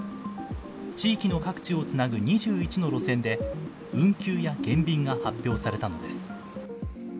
地域の各地をつなぐ２１の路線で、運休や減便が発表されたのです。